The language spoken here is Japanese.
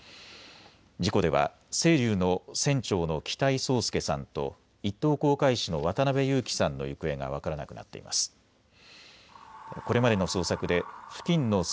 事故では、せいりゅうの船長の北井宗祐さんと一等航海士の渡辺侑樹さんの行方が分からなくなっています。